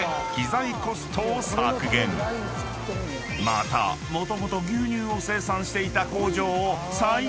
［またもともと牛乳を生産していた工場を再利用］